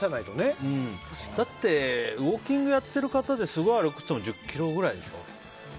ウォーキングやってる方ですごい歩く人でも１０ｋｍくらいでしょ。